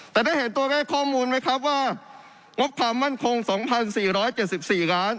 แต่ได้เห็นตัวเลขข้อมูลไหมครับว่างบความมั่นคง๒๔๗๔ล้าน